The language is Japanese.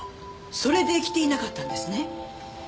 それで着ていなかったんですね。